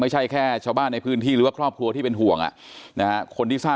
อันอันห้ามมาฝั่งนี้แหละมันฝั่งอันภูกรุนนี่เนอะอันอันสิโพกสิโพกกว่ากว่านี่แหละค่ะ